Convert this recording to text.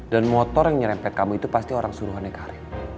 dan motor yang nyerempet kamu itu pasti orang suruhannya karim